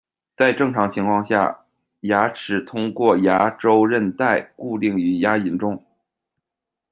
在正常情况下，牙齿通过牙周韧带固定于牙龈中。